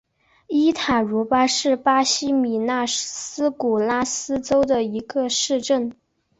伊塔茹巴是巴西米纳斯吉拉斯州的一个市镇。